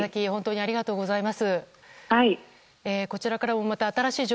ありがとうございます。